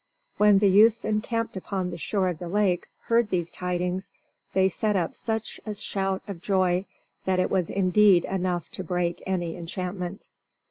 When the youths encamped upon the shore of the lake heard these tidings they set up such a shout of joy that it was indeed enough to break any enchantment.